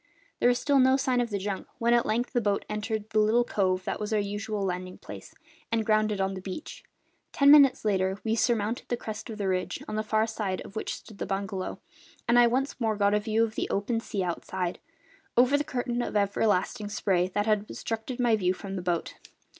There was still no sign of the junk when at length the boat entered the little cove that was our usual landing place, and grounded on the beach. Ten minutes later we surmounted the crest of the ridge, on the far side of which stood the bungalow, and I once more got a view of the open sea outside, over the curtain of everlasting spray that had obstructed my view from the boat.